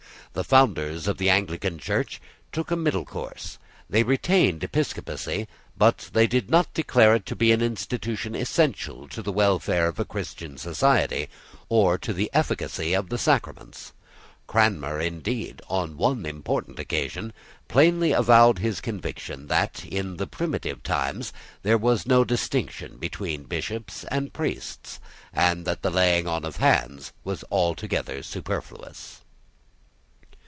The founders of the Anglican Church took a middle course. They retained episcopacy; but they did not declare it to be an institution essential to the welfare of a Christian society, or to the efficacy of the sacraments. Cranmer, indeed, on one important occasion, plainly avowed his conviction that, in the primitive times, there was no distinction between bishops and priests, and that the laying on of hands was altogether superfluous.